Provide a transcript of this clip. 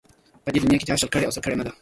په دې دنیا کې چا شل کړي او سل کړي نه ده